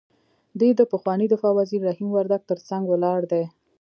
دی د پخواني دفاع وزیر رحیم وردګ تر څنګ ولاړ دی.